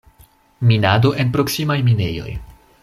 Minado en proksimaj minejoj.